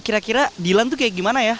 kira kira dilan tuh kayak gimana ya